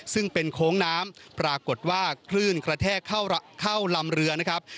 ซึ่งเป็นโค้งน้ำปรากฏว่าคลื่นกระแทกเข้าลำเรือนะครับ